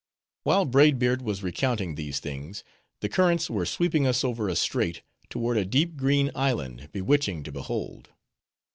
While Braid Beard was recounting these things, the currents were sweeping us over a strait, toward a deep green island, bewitching to behold.